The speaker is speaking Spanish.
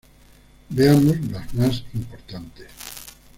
Veamos las más importantes.